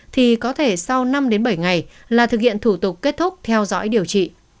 thì có thể sau năm bảy ngày là thực hiện thủ tục kết thúc theo dõi điều trị